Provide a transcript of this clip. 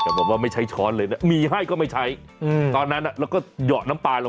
ถ้าท่านจะหิวนะนี่หิวเด็กเขาน่ารักน่ะ